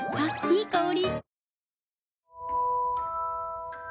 いい香り。